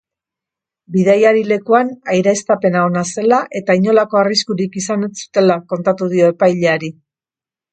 Bidaiari-lekuan aireztapena ona zela eta inolako arriskurik izan ez zutela kontatu dio epaileari.